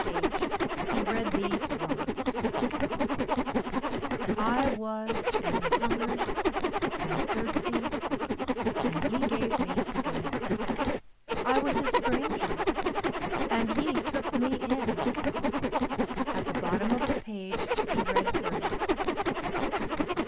page he read these words: "I was an hungered and thirsty and ye gave Me to drink. I was a stranger and ye took Me in." At the bottom of the page he read further.